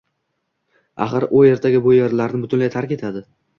Axir, u ertaga bu erlarni butunlay tark etadi